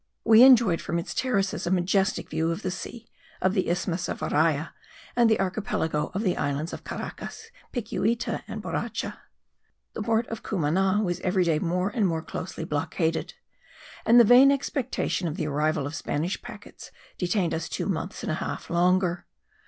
We enjoyed from its terraces a majestic view of the sea, of the isthmus of Araya, and the archipelago of the islands of Caracas, Picuita and Borracha. The port of Cumana was every day more and more closely blockaded, and the vain expectation of the arrival of Spanish packets detained us two months and a half longer.